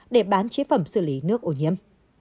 để bán chế phẩm xử lý nước ô nhiễm